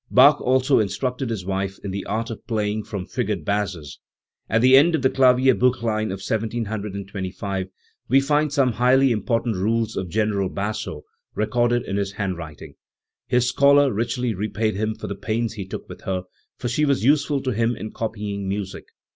Bach also instructed his wife in the art of playing from figured basses. At the end of the Klamerbtichlein of 1725 we find "some highly important rules of General Basso" recorded in his handwriting. His scholar richly repaid him for the pains he took with her, for she was useful to him in copying music.